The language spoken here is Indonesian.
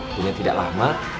tunggu tidak lama